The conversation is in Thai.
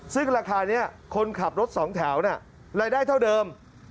ซึ่งราคานี้คนขับรถสองแถวรายได้เท่าเดิม